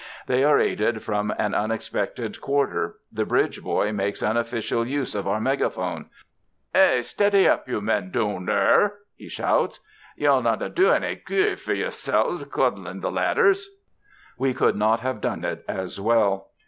They are aided from an unexpected quarter. The bridge boy makes unofficial use of our megaphone. "Hey! Steady up you men doon therr," he shouts. "Ye'll no' dae ony guid fur yersels croodin' th' ledders!" We could not have done it as well.